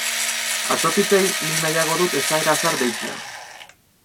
Atsotitzei nik nahiago dut esaera zahar deitzea.